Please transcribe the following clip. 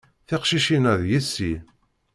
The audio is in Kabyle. Tiqcicin-a d yessi.